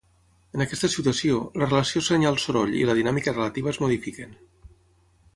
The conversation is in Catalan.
En aquesta situació, la relació senyal-soroll i la dinàmica relativa es modifiquen.